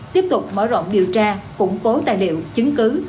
tiếp tục mở rộng điều tra củng cố tài liệu chứng cứ